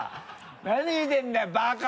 何見てるんだよバカ！